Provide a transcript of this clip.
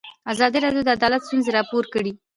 ازادي راډیو د عدالت ستونزې راپور کړي.